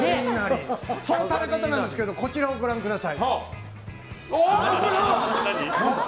その食べ方なんですけどこちらをご覧ください。